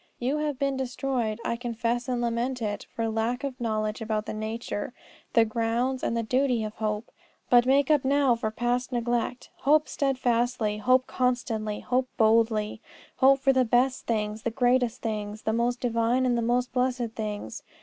You have been destroyed, I confess and lament it, for lack of knowledge about the nature, the grounds, and the duty of hope. But make up now for past neglect. Hope steadfastly, hope constantly, hope boldly; hope for the best things, the greatest things, the most divine and the most blessed things.